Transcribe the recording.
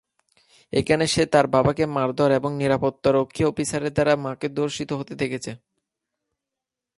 এখানে সে তার বাবাকে মারধর এবং নিরাপত্তা রক্ষী অফিসারদের দ্বারা মাকে ধর্ষিত হতে দেখেছে।